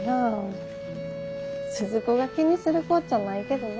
鈴子が気にするこっちゃないけどな。